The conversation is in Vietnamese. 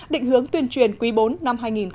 định hướng tuyên truyền quý bốn năm hai nghìn một mươi tám